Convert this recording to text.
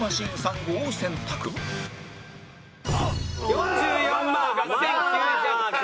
４４万８９００回。